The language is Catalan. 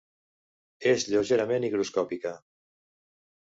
És lleugerament higroscòpica.